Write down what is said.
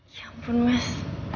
ya ampun mas